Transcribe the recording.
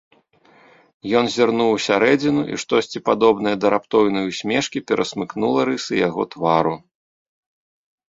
Ён зірнуў усярэдзіну, і штосьці падобнае да раптоўнай усмешкі перасмыкнула рысы яго твару.